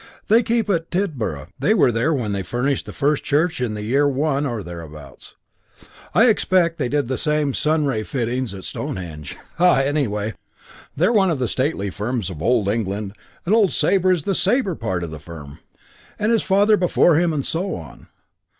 They keep at Tidborough because they were there when they furnished the first church in the year One or thereabouts. I expect they did the sun ray fittings at Stonehenge. Ha! Anyway, they're one of the stately firms of old England, and old Sabre is the Sabre part of the firm. And his father before him and so on.